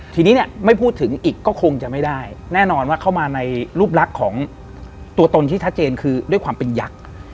ทีนี้เนี่ยไม่พูดถึงอีกก็คงจะไม่ได้แน่นอนว่าเข้ามาในรูปลักษณ์ของตัวตนที่ชัดเจนคือด้วยความเป็นยักษ์